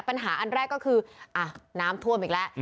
ปัญหาอันแรกก็คืออ่ะน้ำท่วมอีกแล้ว